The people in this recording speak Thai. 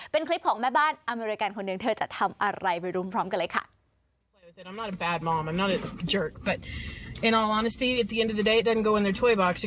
เป็นคลิปของแม่บ้านอเมริกันคนหนึ่งเธอจะทำอะไรไปรุมพร้อมกันเลยค่ะ